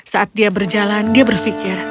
saat dia berjalan dia berpikir